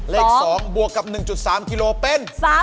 เลข๒บวกกับ๑๓กิโลเป็น